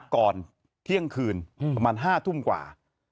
ก่อนเที่ยงคืนประมาณ๕ทุ่มกว่า